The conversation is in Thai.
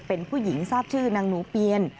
เป็นผู้หญิงทราบชื่อนางหนูเปียน